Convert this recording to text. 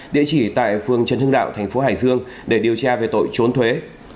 địa chỉ tại phường trần hưng đạo tp hải dương để điều tra về tội trốn thuế